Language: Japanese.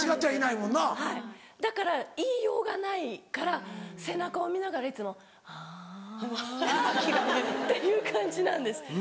はいだから言いようがないから背中を見ながらいつもはぁっていう感じなんです。